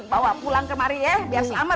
bawa pulang kemari ya biasa amat